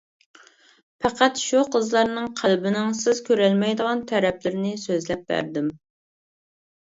پەقەت شۇ قىزلارنىڭ قەلبىنىڭ سىز كۆرەلمەيدىغان تەرەپلىرىنى سۆزلەپ بەردىم.